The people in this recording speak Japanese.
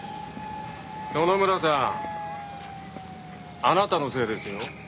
野々村さんあなたのせいですよ。